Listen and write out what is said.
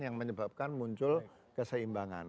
yang menyebabkan muncul keseimbangan